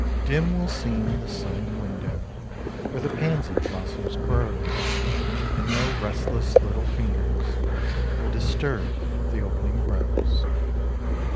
Dim will seem the sunny window, Where the pansy blossom grows, And no restless little fingers Will disturb the opening rose.